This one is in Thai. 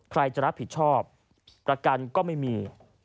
ใครจะรับผิดชอบประกันก็ไม่มี